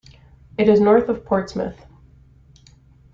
It is north of Portsmouth.